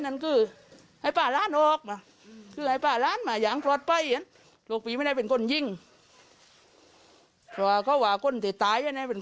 ในเล่งอันก่อนในเครียงอันก่อนอาจจะมอบตัวร้าย